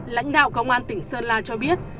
lãnh đạo công an tỉnh sơn la cho biết